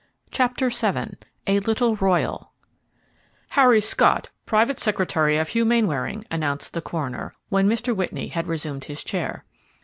CHAPTER VII A LITTLE ROYAL "Harry Scorr, private secretary of Hugh Mainwaring," announced the coroner, when Mr. Whitney had resumed his chair.